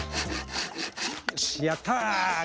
よしやった！